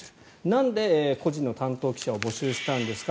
なんで個人の担当記者を募集したんですか。